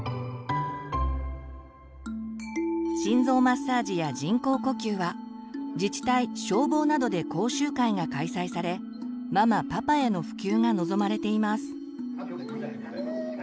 心臓マッサージや人工呼吸は自治体消防などで講習会が開催されママ・パパへの普及が望まれています。